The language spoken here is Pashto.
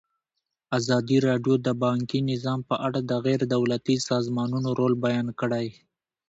ازادي راډیو د بانکي نظام په اړه د غیر دولتي سازمانونو رول بیان کړی.